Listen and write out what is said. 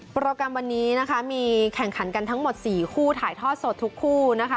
โปรแกรมวันนี้นะคะมีแข่งขันกันทั้งหมด๔คู่ถ่ายทอดสดทุกคู่นะคะ